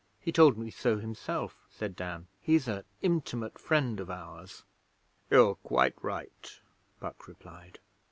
He told me so himself,' said Dan. 'He's a intimate friend of ours.' 'You're quite right,' Puck replied.